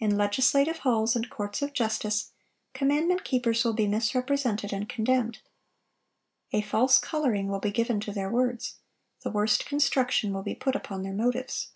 In legislative halls and courts of justice, commandment keepers will be misrepresented and condemned. A false coloring will be given to their words; the worst construction will be put upon their motives.